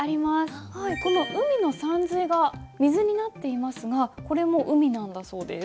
この「海」のさんずいが「水」になっていますがこれも「海」なんだそうです。